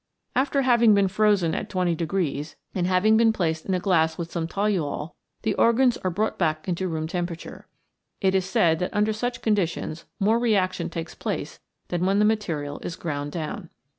After having been frozen at 20 degrees, and having been placed in a glass with some toluol, the organs are brought back into room temperature. It is said that under such conditions more reaction takes place than when the material is ground down.